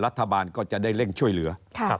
รัฐบาลก็จะได้เร่งช่วยเหลือ